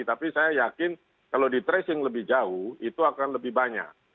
tapi saya yakin kalau di tracing lebih jauh itu akan lebih banyak